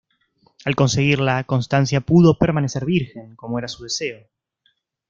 Al conseguirla, Constancia pudo permanecer virgen, como era su deseo.